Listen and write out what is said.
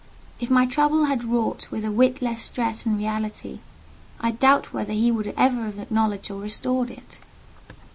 If my trouble had wrought with a whit less stress and reality, I doubt whether he would ever have acknowledged or restored it.